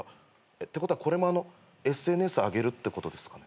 ってことはこれもあのＳＮＳ上げるってことですかね？